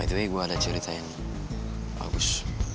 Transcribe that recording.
by the way gua ada cerita yang bagus